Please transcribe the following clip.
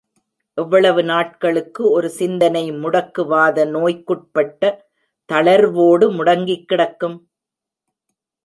எவ்வளவு நாட்களுக்கு ஒரு சிந்தனை முடக்கு வாத நோய்க்குட்பட்ட தளர்வோடு முடங்கிக்கிடக்கும்?